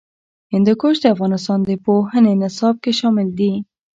هندوکش د افغانستان د پوهنې نصاب کې شامل دي.